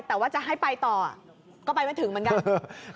แต่ว่าจะให้ไปต่อก็ไปไม่ถึงเหมือนกัน